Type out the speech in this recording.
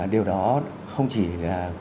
điều đó không chỉ là